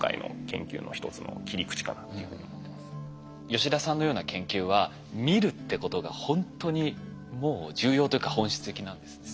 吉田さんのような研究は見るってことがほんとにもう重要というか本質的なんですね。